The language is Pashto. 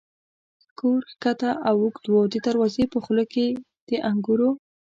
کور کښته او اوږد و، د دروازې په خوله کې د انګورو.